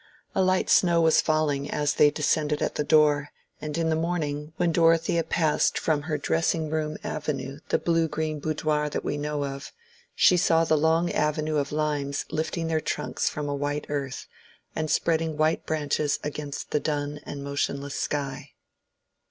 A light snow was falling as they descended at the door, and in the morning, when Dorothea passed from her dressing room into the blue green boudoir that we know of, she saw the long avenue of limes lifting their trunks from a white earth, and spreading white branches against the dun and motionless sky.